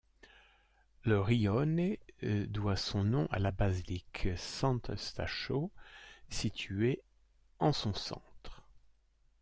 Le rione doit son nom à la basilique Sant'Eustachio située en son centre.